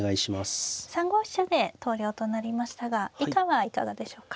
３五飛車で投了となりましたが以下はいかがでしょうか。